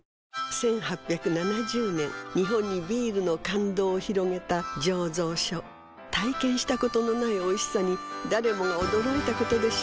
１８７０年日本にビールの感動を広げた醸造所体験したことのないおいしさに誰もが驚いたことでしょう